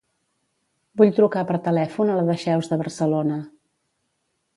Vull trucar per telèfon a la Dexeus de Barcelona.